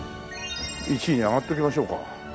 １位に上がっときましょうか。